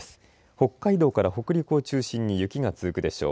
北海道から北陸を中心に雪が続くでしょう。